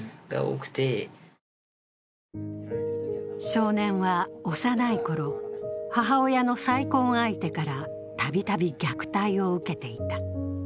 少年は幼いころ、母親の再婚相手から、たびたび虐待を受けていた。